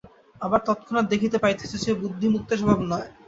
আবার তৎক্ষণাৎ দেখিতে পাইতেছ যে, বুদ্ধি মুক্তস্বভাব নয়।